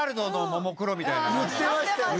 言ってましたよね。